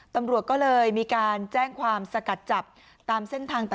ตำรวจก็เลยมีการแจ้งความสกัดจับตามเส้นทางต่าง